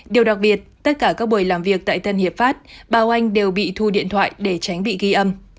điều đặc biệt tất cả các buổi làm việc tại tân hiệp pháp bao anh đều bị thu điện thoại để tránh bị ghi âm